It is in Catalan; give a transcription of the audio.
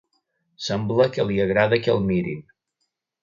Sembla que li agrada que el mirin.